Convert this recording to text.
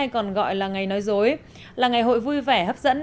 cho vemos nấu sáng immediately bản này